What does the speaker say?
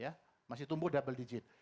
ya masih tumbuh double digit